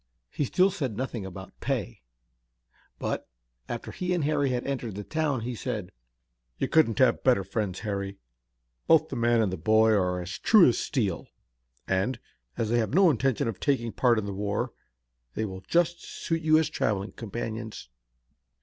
He still said nothing about pay. But after he and Harry had entered the town, he said: "You couldn't have better friends, Harry. Both the man and boy are as true as steel, and, as they have no intention of taking part in the war, they will just suit you as traveling companions."